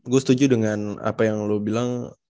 gue setuju dengan apa yang lo bilang